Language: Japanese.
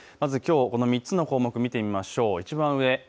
まずきょう、３つの項目、見てみましょう。